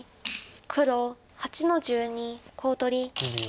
黒８の十二コウ取り。